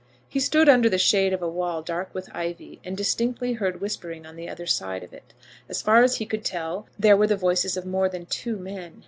He stood under the shade of a wall dark with ivy, and distinctly heard whispering on the other side of it. As far as he could tell there were the voices of more than two men.